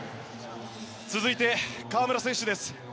続いて、河村選手です。